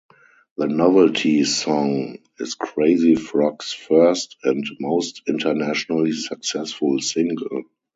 The novelty song is Crazy Frog's first and most internationally successful single.